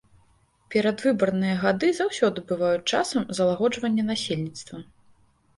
Перадвыбарныя гады заўсёды бываюць часам залагоджвання насельніцтва.